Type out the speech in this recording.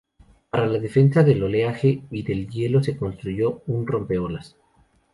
Para la defensa del oleaje y del hielo, se construyó un rompeolas.